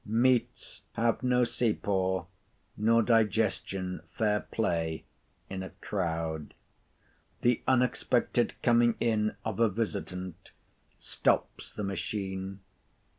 Meats have no sapor, nor digestion fair play, in a crowd. The unexpected coming in of a visitant stops the machine.